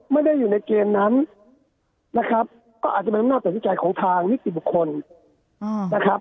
ไม่ได้อยู่ในเกณฑ์นั้นนะครับก็อาจจะเป็นอำนาจตัดสินใจของทางนิติบุคคลนะครับ